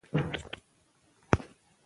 افغانستان کې د چار مغز د پرمختګ هڅې روانې دي.